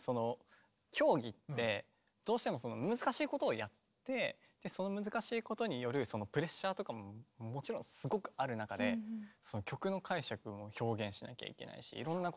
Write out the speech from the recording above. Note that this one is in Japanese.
競技ってどうしても難しいことをやってその難しいことによるプレッシャーとかももちろんすごくある中で曲の解釈も表現しなきゃいけないしいろんなことも表現したいし。